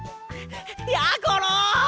やころ！